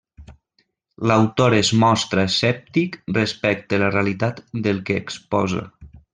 L'autor es mostra escèptic respecte la realitat del que exposa.